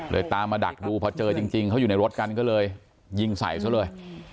ตามมาดักดูพอเจอจริงเขาอยู่ในรถกันก็เลยยิงใส่ซะเลย